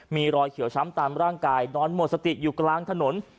มีรอยเขียวช้ำตามร่างกายนอนหมดสติอยู่กลางถนน